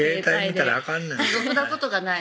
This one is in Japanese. ろくなことがない